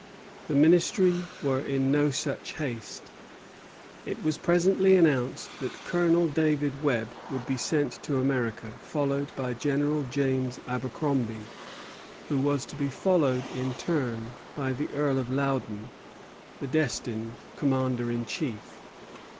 The Ministry were in no such haste. It was presently announced that Colonel Daniel Webb would be sent to America, followed by General James Abercromby; who was to be followed in turn by the Earl of Loudon, the destined commander in chief.